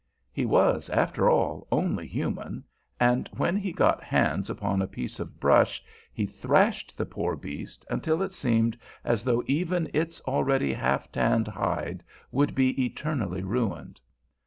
He was, after all, only human, and when he got hands upon a piece of brush he thrashed the poor beast until it seemed as though even its already half tanned hide would be eternally ruined.